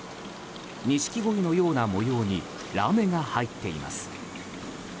ニシキゴイのような模様にラメが入っています。